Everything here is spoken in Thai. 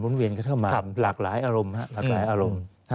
มุนเวียนเข้าเข้ามาครับหลากหลายอารมณ์ฮะหลากหลายอารมณ์ครับ